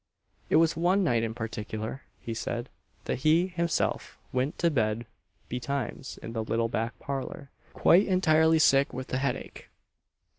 It was one night in partickler, he said, that he himself went to bed betimes in the little back parlour, quite entirely sick with the head ache.